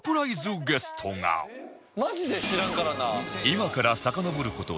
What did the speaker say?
今からさかのぼる事